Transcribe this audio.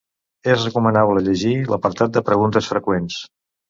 És recomanable llegir l'apartat de preguntes freqüents.